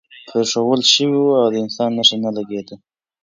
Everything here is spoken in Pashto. پرېښوول شوی و او د انسان نښه نه لګېده.